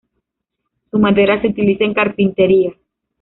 Su madera se utiliza en carpintería.